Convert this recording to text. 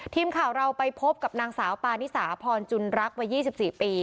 ทีมข่าวเราไปพบกับนางสาวปานิสาพรจุนรักวัย๒๔ปี